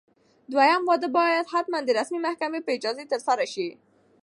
دویم واده باید حتماً د رسمي محکمې په اجازه ترسره شي.